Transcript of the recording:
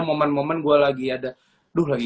momen momen gue lagi ada aduh lagi